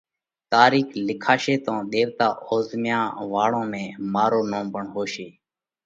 تارِيخ لکاشي تو ۮيوَتا اوزهميا واۯون ۾ مارو نوم پڻ هوشي۔